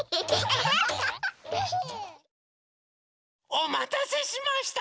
おまたせしました！